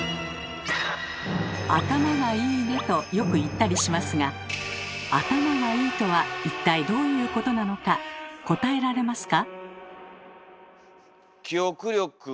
「頭がいいね」とよく言ったりしますが頭がいいとは一体どういうことなのか答えられますか？